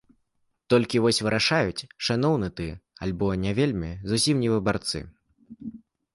Толькі вось вырашаюць, шанаваны ты, альбо не вельмі, зусім не выбарцы.